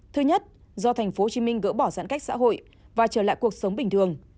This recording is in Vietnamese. thứ nhất do thành phố hồ chí minh gỡ bỏ giãn cách xã hội và trở lại cuộc sống bình thường